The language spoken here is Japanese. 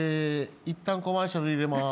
いったんコマーシャル入れます。